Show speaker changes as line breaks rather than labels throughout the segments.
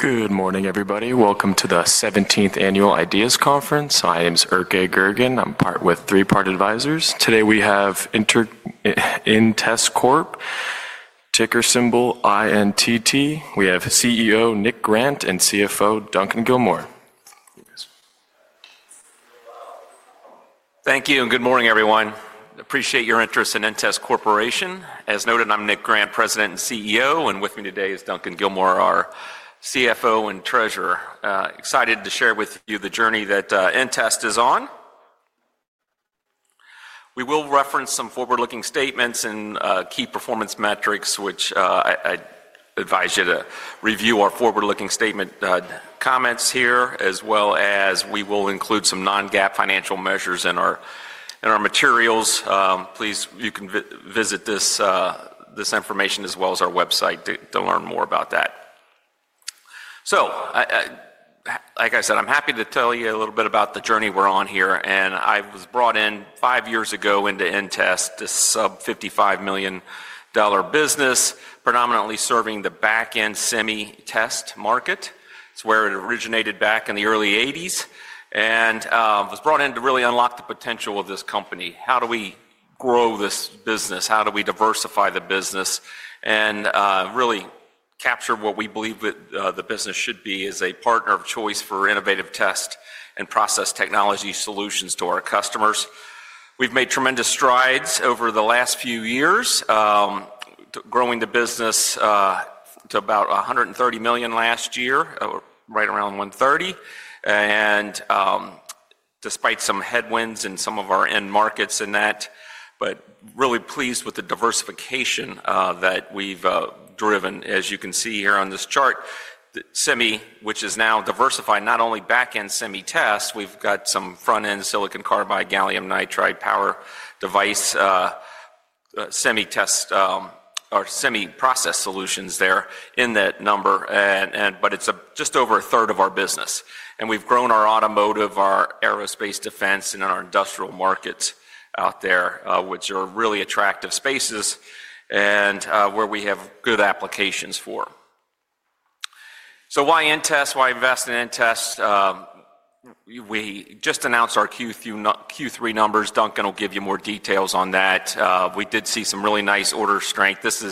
Good morning, everybody. Welcome to the 17th Annual Ideas Conference. My name is Erk Gay Gurgan. I'm partnered with Three Part Advisors. Today we have inTesT Corporation, ticker symbol INTT. We have CEO Nick Grant and CFO Duncan Gilmour.
Thank you and good morning, everyone. Appreciate your interest in InTest Corporation. As noted, I'm Nick Grant, President and CEO, and with me today is Duncan Gilmour, our CFO and Treasurer. Excited to share with you the journey that InTest is on. We will reference some forward-looking statements and key performance metrics, which I advise you to review our forward-looking statement comments here, as well as we will include some non-GAAP financial measures in our materials. Please, you can visit this information as well as our website to learn more about that. Like I said, I'm happy to tell you a little bit about the journey we're on here. I was brought in 5 years ago into InTest, a sub-$55 million business, predominantly serving the back-end semi-test market. It's where it originated back in the early 1980s and was brought in to really unlock the potential of this company. How do we grow this business? How do we diversify the business and really capture what we believe the business should be as a partner of choice for innovative test and process technology solutions to our customers? We've made tremendous strides over the last few years, growing the business to about $130 million last year, right around $130 million. Despite some headwinds in some of our end markets in that, really pleased with the diversification that we've driven, as you can see here on this chart. Semi, which is now diversified not only back-end semi-test, we've got some front-end silicon carbide, gallium nitride power device semi-test or semi-process solutions there in that number, but it's just over a third of our business. We have grown our automotive, our aerospace defense, and our industrial markets out there, which are really attractive spaces and where we have good applications for. Why InTest? Why invest in InTest? We just announced our Q3 numbers. Duncan will give you more details on that. We did see some really nice order strength. This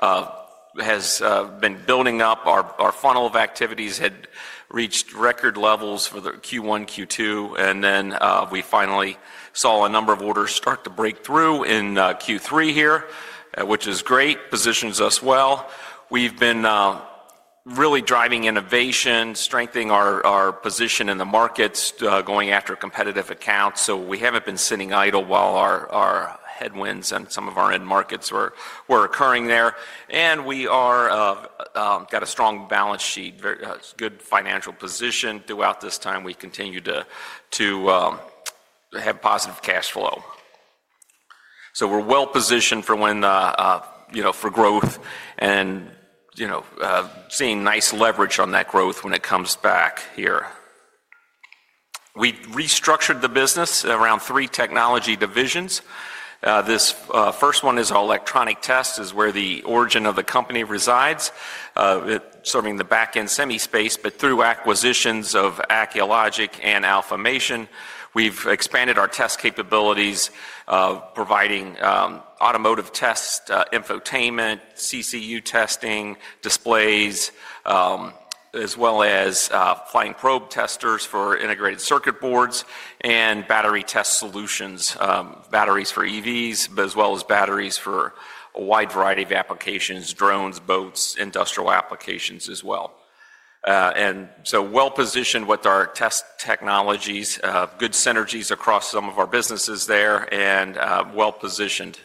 has been building up. Our funnel of activities had reached record levels for the Q1, Q2, and then we finally saw a number of orders start to break through in Q3 here, which is great, positions us well. We have been really driving innovation, strengthening our position in the markets, going after competitive accounts. We have not been sitting idle while our headwinds and some of our end markets were occurring there. We have a strong balance sheet, good financial position throughout this time. We continue to have positive cash flow. We are well positioned for growth and seeing nice leverage on that growth when it comes back here. We restructured the business around 3 technology divisions. This first one is electronic tests, is where the origin of the company resides, serving the back-end semi space. Through acquisitions of AstroLogics and AlphaMation, we have expanded our test capabilities, providing automotive tests, infotainment, CCU testing, displays, as well as flying probe testers for integrated circuit boards and battery test solutions, batteries for EVs, as well as batteries for a wide variety of applications, drones, boats, industrial applications as well. We are well positioned with our test technologies, good synergies across some of our businesses there, and well positioned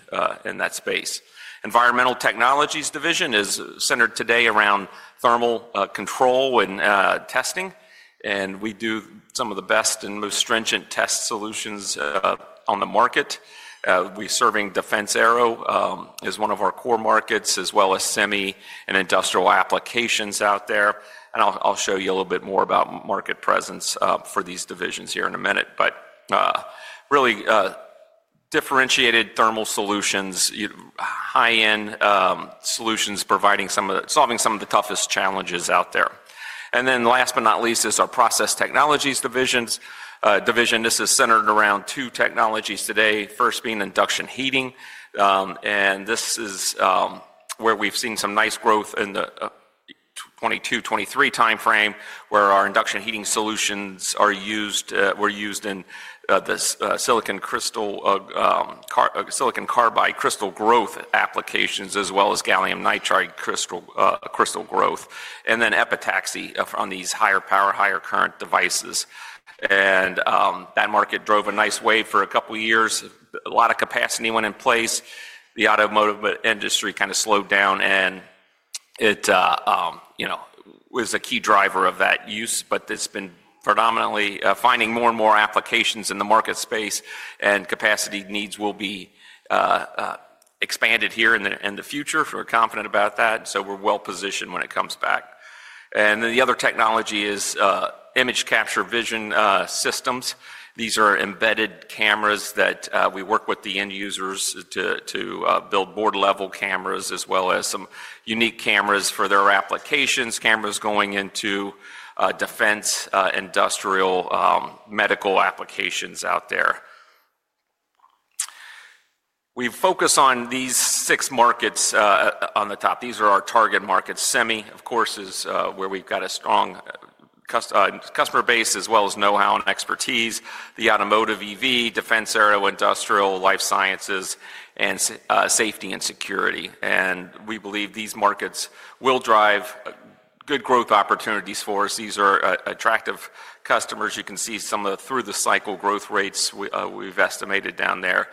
in that space. Environmental technologies division is centered today around thermal control and testing, and we do some of the best and most stringent test solutions on the market. We're serving Defense Aero as one of our core markets, as well as semi and industrial applications out there. I'll show you a little bit more about market presence for these divisions here in a minute, but really differentiated thermal solutions, high-end solutions, solving some of the toughest challenges out there. Last but not least is our process technologies division. This is centered around 2 technologies today, first being induction heating. This is where we've seen some nice growth in the 2022-2023 timeframe, where our induction heating solutions were used in silicon crystal, silicon carbide crystal growth applications, as well as gallium nitride crystal growth, and then epitaxy on these higher power, higher current devices. That market drove a nice wave for a couple of years. A lot of capacity went in place. The automotive industry kind of slowed down, and it was a key driver of that use, but it's been predominantly finding more and more applications in the market space, and capacity needs will be expanded here in the future. We're confident about that. We are well positioned when it comes back. The other technology is image capture vision systems. These are embedded cameras that we work with the end users to build board-level cameras, as well as some unique cameras for their applications, cameras going into defense, industrial, medical applications out there. We focus on these 6 markets on the top. These are our target markets. Semi, of course, is where we've got a strong customer base as well as know-how and expertise. The automotive, EV, defense aero, industrial, life sciences, and safety and security. We believe these markets will drive good growth opportunities for us. These are attractive customers. You can see some of the through-the-cycle growth rates we've estimated down there.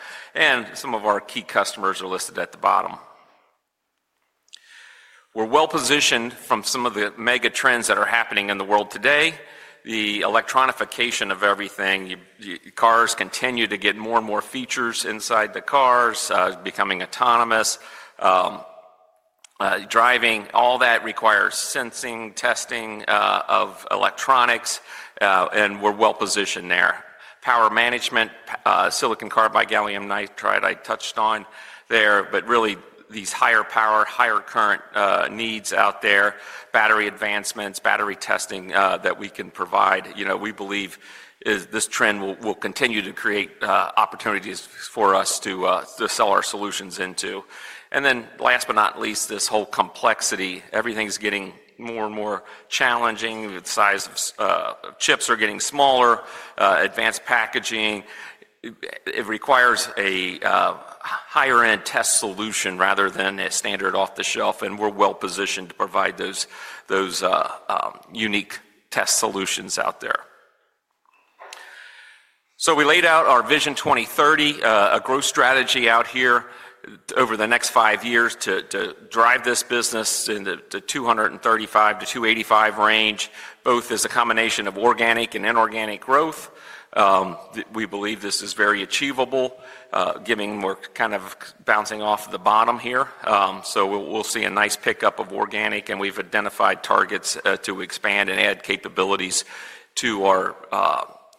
Some of our key customers are listed at the bottom. We are well positioned from some of the mega trends that are happening in the world today. The electronification of everything, cars continue to get more and more features inside the cars, becoming autonomous, driving. All that requires sensing, testing of electronics, and we are well positioned there. Power management, silicon carbide, gallium nitride I touched on there, but really these higher power, higher current needs out there, battery advancements, battery testing that we can provide. We believe this trend will continue to create opportunities for us to sell our solutions into. Last but not least, this whole complexity. Everything is getting more and more challenging. The size of chips are getting smaller. Advanced packaging. It requires a higher-end test solution rather than a standard off-the-shelf. We are well positioned to provide those unique test solutions out there. We laid out our Vision 2030, a growth strategy out here over the next 5 years to drive this business in the $235 million-$285 million range, both as a combination of organic and inorganic growth. We believe this is very achievable, giving more kind of bouncing off the bottom here. We will see a nice pickup of organic, and we have identified targets to expand and add capabilities to our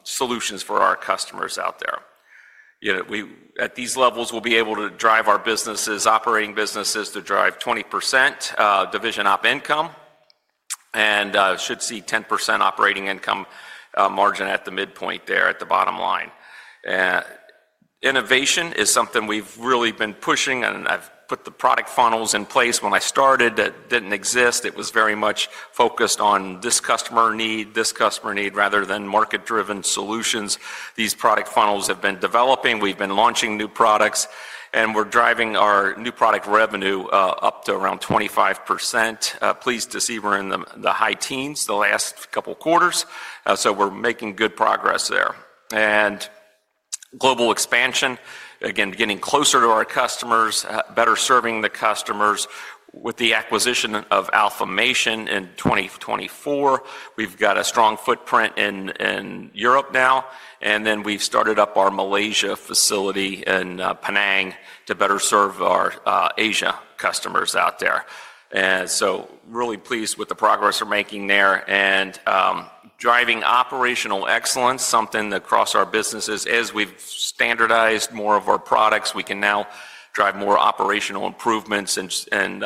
solutions for our customers out there. At these levels, we will be able to drive our businesses, operating businesses to drive 20% division op income and should see 10% operating income margin at the midpoint there at the bottom line. Innovation is something we have really been pushing, and I have put the product funnels in place. When I started, it didn't exist. It was very much focused on this customer need, this customer need, rather than market-driven solutions. These product funnels have been developing. We've been launching new products, and we're driving our new product revenue up to around 25%. Pleased to see we're in the high teens the last couple of quarters. We are making good progress there. Global expansion, again, getting closer to our customers, better serving the customers with the acquisition of AlphaMation in 2024. We've got a strong footprint in Europe now. We have started up our Malaysia facility in Penang to better serve our Asia customers out there. Really pleased with the progress we're making there and driving operational excellence, something across our businesses. As we've standardized more of our products, we can now drive more operational improvements and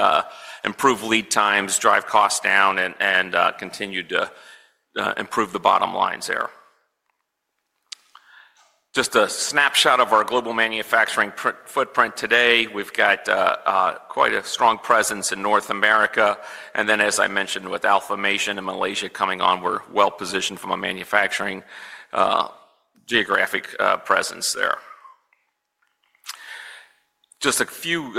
improve lead times, drive costs down, and continue to improve the bottom lines there. Just a snapshot of our global manufacturing footprint today. We've got quite a strong presence in North America. As I mentioned, with AlphaMation and Malaysia coming on, we're well positioned from a manufacturing geographic presence there. Just a few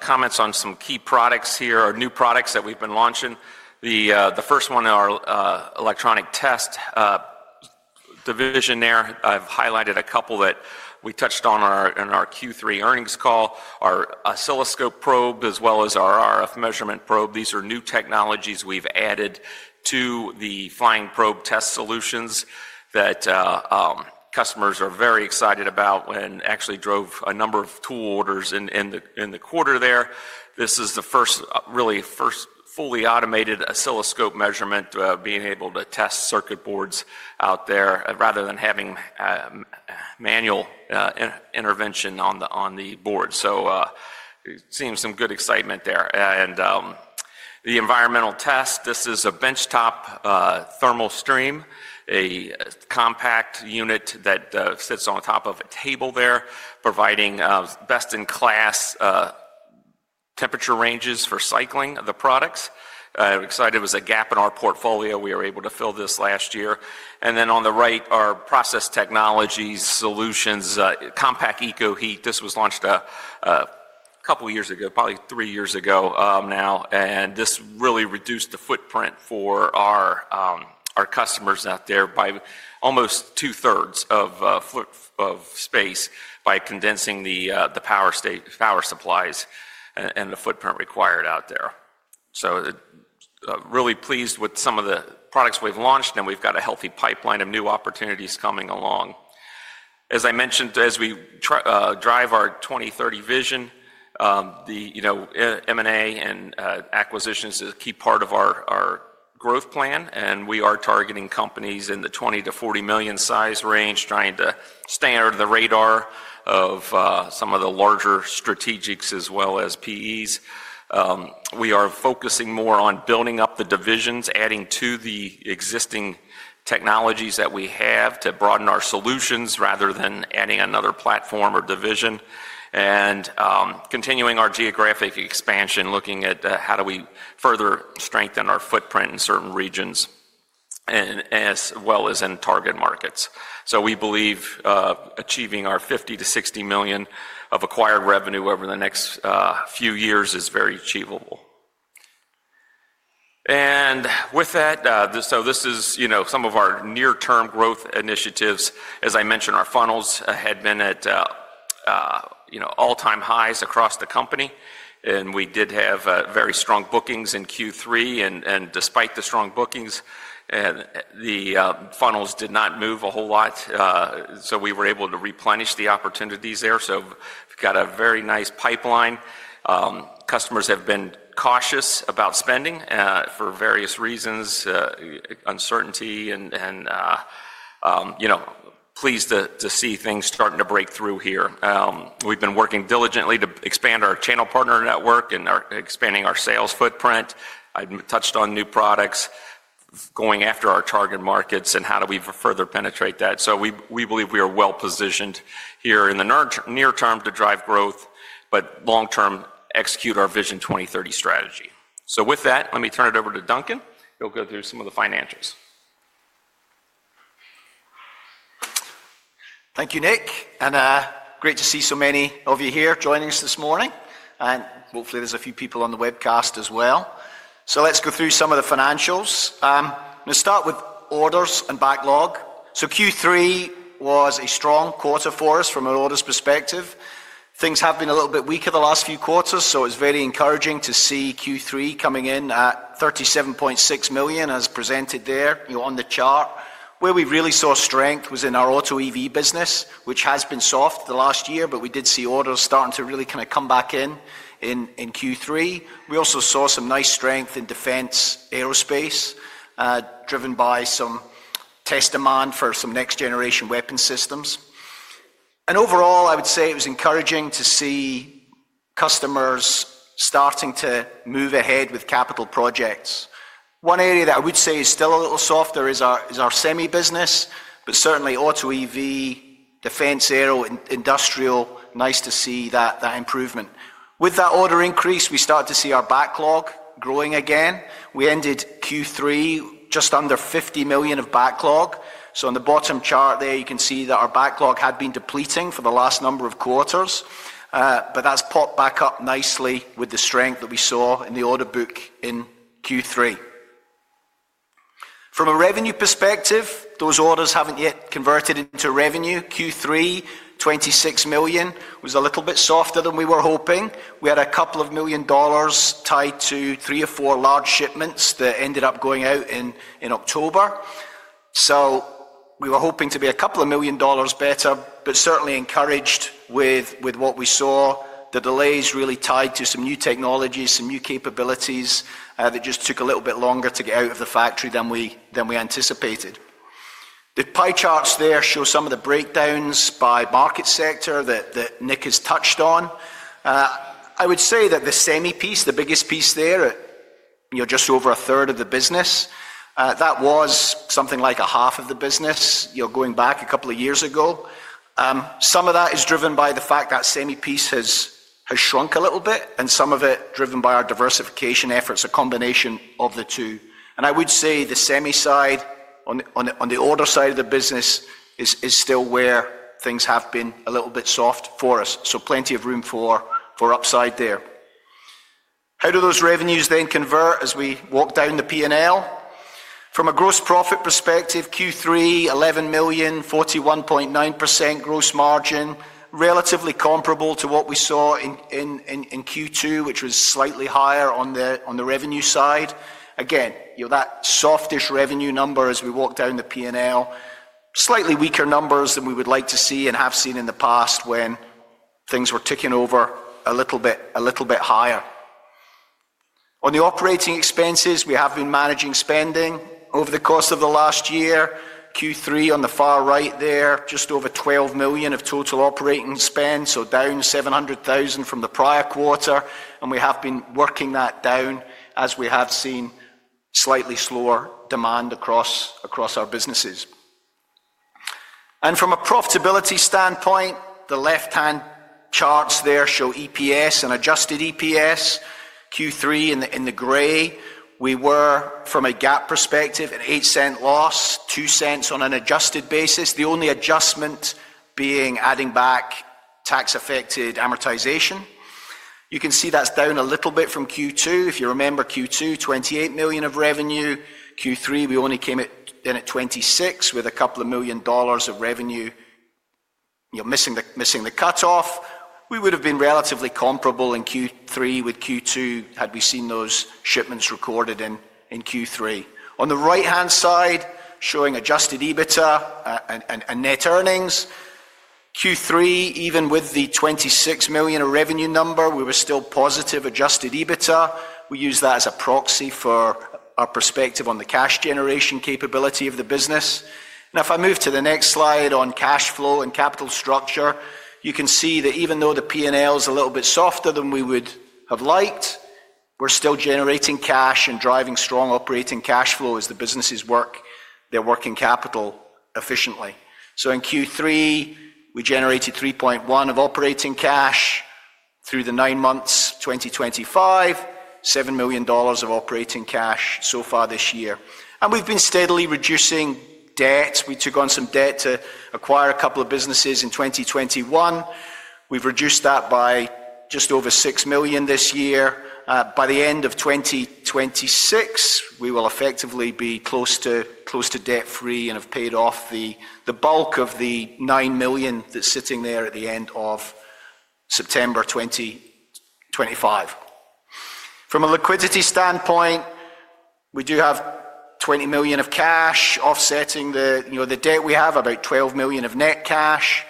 comments on some key products here or new products that we've been launching. The first one, our electronic test division there. I've highlighted a couple that we touched on in our Q3 earnings call, our oscilloscope probe, as well as our RF measurement probe. These are new technologies we've added to the flying probe test solutions that customers are very excited about and actually drove a number of tool orders in the quarter there. This is the first, really first fully automated oscilloscope measurement, being able to test circuit boards out there rather than having manual intervention on the board. It seems some good excitement there. The environmental test, this is a benchtop thermal stream, a compact unit that sits on top of a table there, providing best-in-class temperature ranges for cycling of the products. I'm excited. It was a gap in our portfolio. We were able to fill this last year. On the right, our process technology solutions, Compact EcoHeat. This was launched a couple of years ago, probably 3 years ago now. This really reduced the footprint for our customers out there by almost two-thirds of space by condensing the power supplies and the footprint required out there. Really pleased with some of the products we've launched, and we've got a healthy pipeline of new opportunities coming along. As I mentioned, as we drive our 2030 vision, M&A and acquisitions is a key part of our growth plan. We are targeting companies in the $20 million-$40 million size range, trying to stay under the radar of some of the larger strategics as well as PEs. We are focusing more on building up the divisions, adding to the existing technologies that we have to broaden our solutions rather than adding another platform or division, and continuing our geographic expansion, looking at how do we further strengthen our footprint in certain regions as well as in target markets. We believe achieving our $50 million-$60 million of acquired revenue over the next few years is very achievable. This is some of our near-term growth initiatives. As I mentioned, our funnels had been at all-time highs across the company. We did have very strong bookings in Q3. Despite the strong bookings, the funnels did not move a whole lot. We were able to replenish the opportunities there. We have a very nice pipeline. Customers have been cautious about spending for various reasons, uncertainty, and pleased to see things starting to break through here. We have been working diligently to expand our channel partner network and expanding our sales footprint. I touched on new products, going after our target markets, and how do we further penetrate that. We believe we are well positioned here in the near term to drive growth, but long-term execute our vision 2030 strategy. Let me turn it over to Duncan. He'll go through some of the financials.
Thank you, Nick. Great to see so many of you here joining us this morning. Hopefully, there's a few people on the webcast as well. Let's go through some of the financials. Let's start with orders and backlog. Q3 was a strong quarter for us from an orders perspective. Things have been a little bit weaker the last few quarters. It's very encouraging to see Q3 coming in at $37.6 million as presented there on the chart. Where we really saw strength was in our automotive/EV business, which has been soft the last year, but we did see orders starting to really kind of come back in in Q3. We also saw some nice strength in defense/aerospace, driven by some test demand for some next-generation weapon systems. Overall, I would say it was encouraging to see customers starting to move ahead with capital projects. One area that I would say is still a little softer is our semi business, but certainly auto EV, defense aero, industrial, nice to see that improvement. With that order increase, we started to see our backlog growing again. We ended Q3 just under $50 million of backlog. On the bottom chart there, you can see that our backlog had been depleting for the last number of quarters, but that has popped back up nicely with the strength that we saw in the order book in Q3. From a revenue perspective, those orders have not yet converted into revenue. Q3, $26 million was a little bit softer than we were hoping. We had a couple of million dollars tied to 3 or 4 large shipments that ended up going out in October. We were hoping to be a couple of million dollars better, but certainly encouraged with what we saw. The delays really tied to some new technologies, some new capabilities that just took a little bit longer to get out of the factory than we anticipated. The pie charts there show some of the breakdowns by market sector that Nick has touched on. I would say that the semi piece, the biggest piece there, just over a third of the business, that was something like half of the business going back a couple of years ago. Some of that is driven by the fact that semi piece has shrunk a little bit, and some of it driven by our diversification efforts, a combination of the 2. I would say the semi side on the order side of the business is still where things have been a little bit soft for us. Plenty of room for upside there. How do those revenues then convert as we walk down the P&L? From a gross profit perspective, Q3, $11 million, 41.9% gross margin, relatively comparable to what we saw in Q2, which was slightly higher on the revenue side. Again, that softish revenue number as we walk down the P&L, slightly weaker numbers than we would like to see and have seen in the past when things were ticking over a little bit higher. On the operating expenses, we have been managing spending over the course of the last year. Q3 on the far right there, just over $12 million of total operating spend, down $700,000 from the prior quarter. We have been working that down as we have seen slightly slower demand across our businesses. From a profitability standpoint, the left-hand charts there show EPS and adjusted EPS. Q3 in the gray, we were from a GAAP perspective at $0.08 loss, $0.02 on an adjusted basis, the only adjustment being adding back tax-affected amortization. You can see that is down a little bit from Q2. If you remember Q2, $28 million of revenue. Q3, we only came in at $26 million with a couple of million dollars of revenue missing the cutoff. We would have been relatively comparable in Q3 with Q2 had we seen those shipments recorded in Q3. On the right-hand side, showing Adjusted EBITDA and net earnings. Q3, even with the $26 million of revenue number, we were still positive Adjusted EBITDA. We use that as a proxy for our perspective on the cash generation capability of the business. Now, if I move to the next slide on cash flow and capital structure, you can see that even though the P&L is a little bit softer than we would have liked, we're still generating cash and driving strong operating cash flow as the businesses work their working capital efficiently. In Q3, we generated $3.1 million of operating cash. Through the 9 months 2025, $7 million of operating cash so far this year. We've been steadily reducing debt. We took on some debt to acquire a couple of businesses in 2021. We've reduced that by just over $6 million this year. By the end of 2026, we will effectively be close to debt-free and have paid off the bulk of the $9 million that's sitting there at the end of September 2025. From a liquidity standpoint, we do have $20 million of cash offsetting the debt we have, about $12 million of net cash.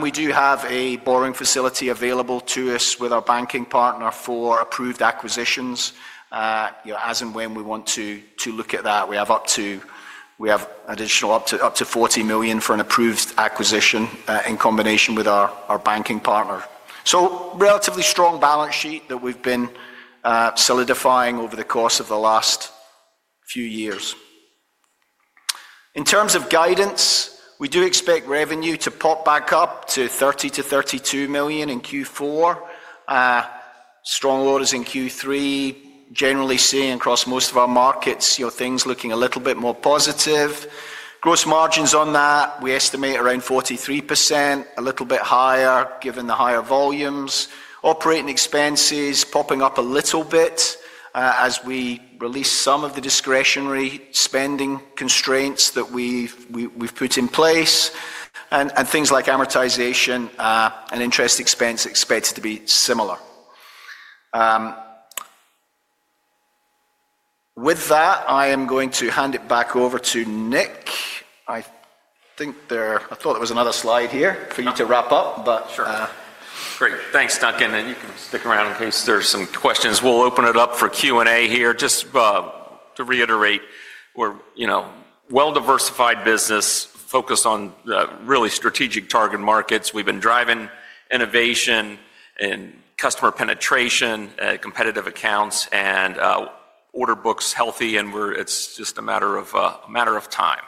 We do have a borrowing facility available to us with our banking partner for approved acquisitions. As and when we want to look at that, we have additional up to $40 million for an approved acquisition in combination with our banking partner. Relatively strong balance sheet that we've been solidifying over the course of the last few years. In terms of guidance, we do expect revenue to pop back up to $30-$32 million in Q4. Strong orders in Q3, generally seeing across most of our markets, things looking a little bit more positive. Gross margins on that, we estimate around 43%, a little bit higher given the higher volumes. Operating expenses popping up a little bit as we release some of the discretionary spending constraints that we've put in place. Things like amortization and interest expense expected to be similar. With that, I am going to hand it back over to Nick. I thought there was another slide here for you to wrap up, but. Sure.
Great. Thanks, Duncan. You can stick around in case there's some questions. We'll open it up for Q&A here. Just to reiterate, we're a well-diversified business focused on really strategic target markets. We've been driving innovation and customer penetration, competitive accounts, and order books healthy. It's just a matter of time.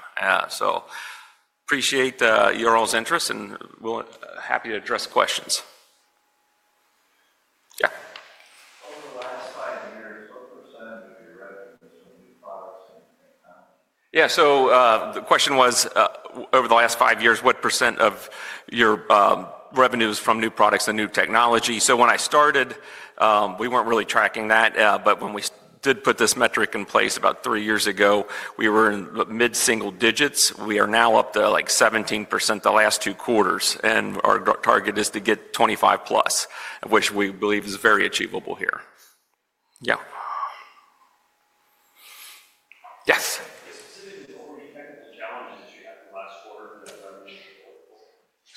Appreciate your all's interest, and we're happy to address questions. Yeah. Over the last 5 years, what % of your revenue is from new products and new technology? Yeah. The question was, over the last 5 years, what % of your revenue is from new products and new technology? When I started, we were not really tracking that. When we did put this metric in place about 3 years ago, we were in mid-single digits. We are now up to like 17% the last 2 quarters. Our target is to get 25% plus, which we believe is very achievable here. Yes.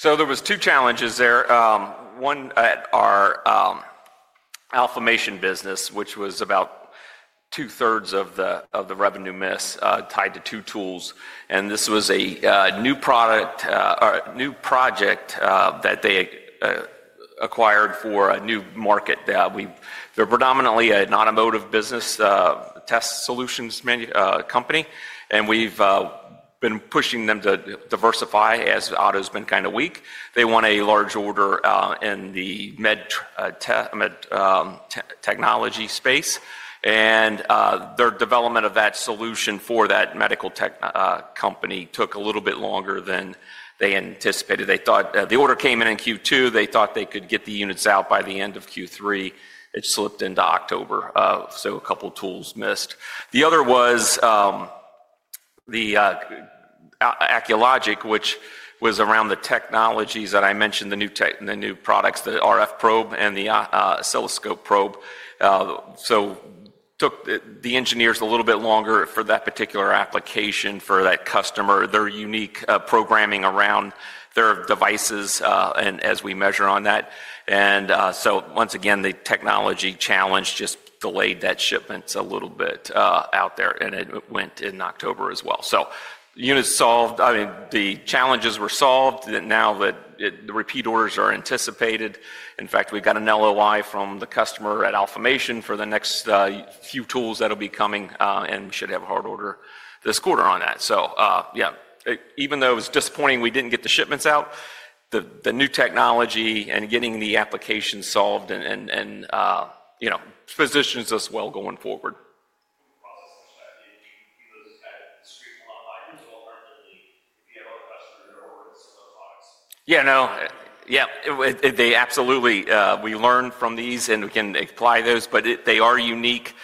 Specifically, what were the technical challenges that you had in the last quarter from that revenue? There were 2 challenges there. One at our AlphaMation business, which was about two-thirds of the revenue miss tied to 2 tools. This was a new product or new project that they acquired for a new market. They are predominantly an automotive business test solutions company. We've been pushing them to diversify as auto has been kind of weak. They won a large order in the med technology space. Their development of that solution for that medical company took a little bit longer than they anticipated. They thought the order came in in Q2. They thought they could get the units out by the end of Q3. It slipped into October. A couple of tools missed. The other was the AstroLogics, which was around the technologies that I mentioned, the new products, the RF probe and the oscilloscope probe. It took the engineers a little bit longer for that particular application for that customer, their unique programming around their devices and as we measure on that. Once again, the technology challenge just delayed that shipment a little bit out there. It went in October as well. Units solved. I mean, the challenges were solved. Now that the repeat orders are anticipated, in fact, we've got an LOI from the customer at AlphaMation for the next few tools that will be coming. We should have a hard order this quarter on that. Yeah, even though it was disappointing we didn't get the shipments out, the new technology and getting the application solved positions us well going forward. Process much that you can keep those kind of discrete online by yourself rather than if you have other customers that are ordering similar products. Yeah, no. Yeah. They absolutely, we learn from these and we can apply those, but they are unique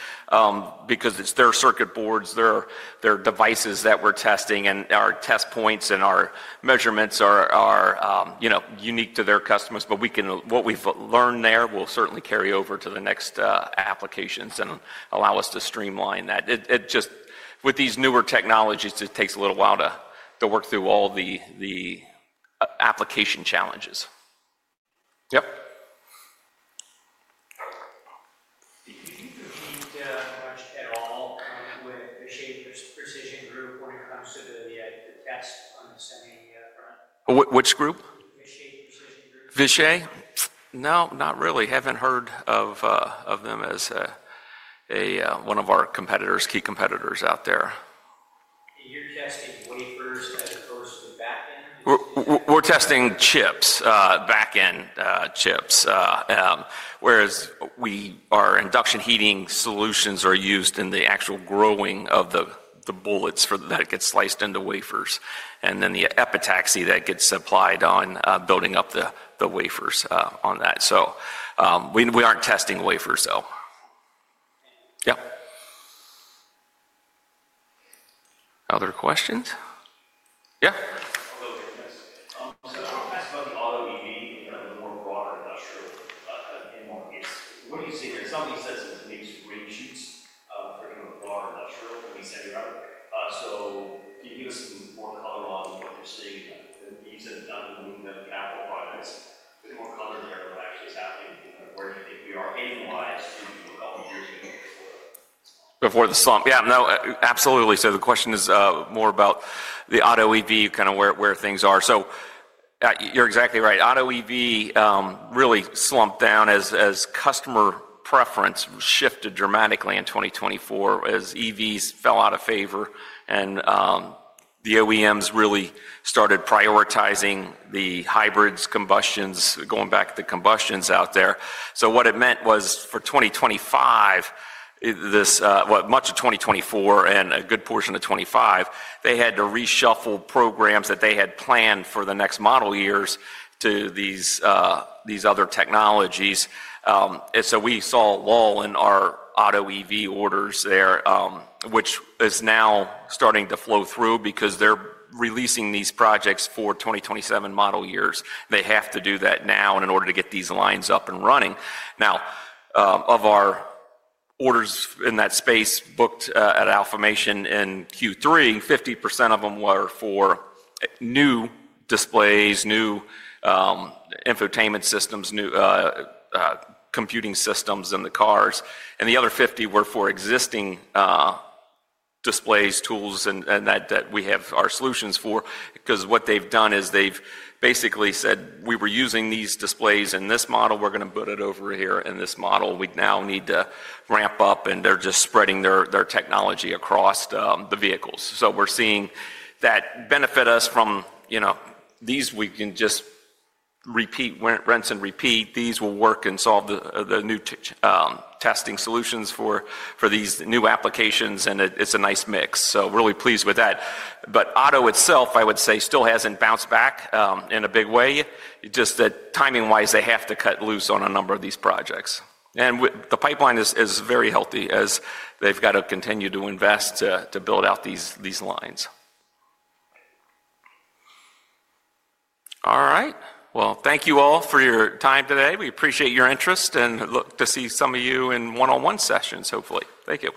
because it's their circuit boards, their devices that we're testing, and our test points and our measurements are unique to their customers. What we've learned there will certainly carry over to the next applications and allow us to streamline that. With these newer technologies, it takes a little while to work through all the application challenges. Yep.
Do you need to at all with Vishay Precision Group when it comes to the test on the semi front?
Which group?
Vishay Precision Group.
Vishay? No, not really. Haven't heard of them as one of our key competitors out there.
You're testing wafers as opposed to back end?
We're testing chips, back end chips, whereas our induction heating solutions are used in the actual growing of the bullets that get sliced into wafers and then the epitaxy that gets applied on building up the wafers on that. We aren't testing wafers, though. Yep. Other questions? Yeah. Although, yes.
I want to ask about the auto EV and the more broader industrial in markets. What do you see here? Somebody says it's mixed range sheets for the broader industrial that we send around. Can you give us some more color on what you're seeing? You said it's not the capital projects. Give me more color there on what actually is happening. Where do you think we are heading-wise to a couple of years before the slump?
Before the slump. Yeah, no, absolutely. The question is more about the auto EV, kind of where things are. You're exactly right. Auto EV really slumped down as customer preference shifted dramatically in 2024 as EVs fell out of favor and the OEMs really started prioritizing the hybrids, combustions, going back to combustions out there. What it meant was for 2025, much of 2024 and a good portion of 2025, they had to reshuffle programs that they had planned for the next model years to these other technologies. We saw a lull in our auto EV orders there, which is now starting to flow through because they're releasing these projects for 2027 model years. They have to do that now in order to get these lines up and running. Now, of our orders in that space booked at AlphaMation in Q3, 50% of them were for new displays, new infotainment systems, new computing systems in the cars. The other 50% were for existing displays, tools, and that we have our solutions for. What they've done is they've basically said, "We were using these displays in this model. We're going to put it over here in this model. We now need to ramp up." They're just spreading their technology across the vehicles. We're seeing that benefit us from these we can just rinse and repeat. These will work and solve the new testing solutions for these new applications. It's a nice mix. Really pleased with that. Auto itself, I would say, still hasn't bounced back in a big way. Timing-wise, they have to cut loose on a number of these projects. The pipeline is very healthy as they've got to continue to invest to build out these lines. Thank you all for your time today. We appreciate your interest and look to see some of you in one-on-one sessions, hopefully. Thank you.